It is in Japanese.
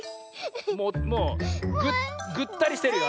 もうぐったりしてるよ